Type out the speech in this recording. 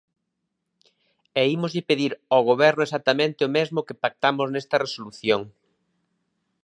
E ímoslle pedir ao Goberno exactamente o mesmo que pactamos nesta resolución.